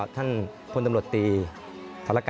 สนุนโดยอีซุสุข